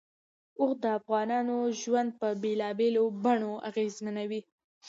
اوښ د افغانانو ژوند په بېلابېلو بڼو اغېزمنوي.